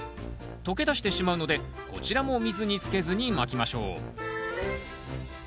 溶け出してしまうのでこちらも水につけずにまきましょう。